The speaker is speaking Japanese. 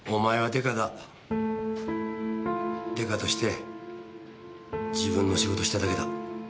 刑事として自分の仕事をしただけだ。